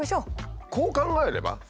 こう考えれば？